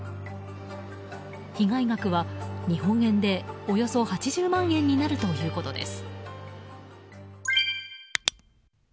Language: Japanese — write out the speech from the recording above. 被害額は日本円でおよそ８０万円になるということです。